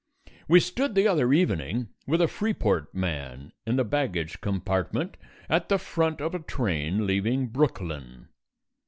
We stood the other evening with a Freeport man in the baggage compartment at the front of a train leaving Brooklyn.